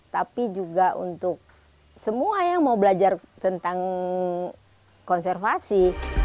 tapi juga untuk semua yang mau belajar tentang konservasi